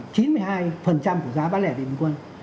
của giá bán lẻ bình quân